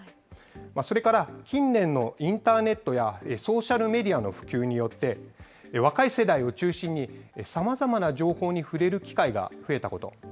それから、近年のインターネットやソーシャルメディアの普及によって、若い世代を中心に、さまざまな情報に触れる機会が増えたこと。